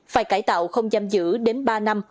phải cải tạo không giam giữ đến ba năm